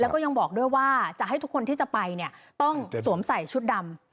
แล้วก็ยังบอกด้วยว่าจะให้ทุกคนที่จะไปเนี่ยต้องสวมใส่ชุดดำ